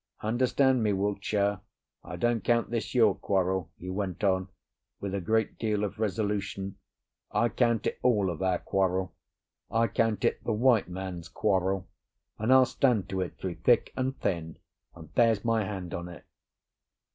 Understand me, Wiltshire; I don't count this your quarrel," he went on, with a great deal of resolution, "I count it all of our quarrel, I count it the White Man's Quarrel, and I'll stand to it through thick and thin, and there's my hand on it."